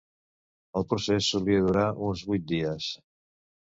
El procés solia durar uns vuit dies.